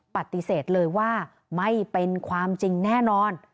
ปฏิเสธเลยว่าไม่เป็นความจริงแน่นอน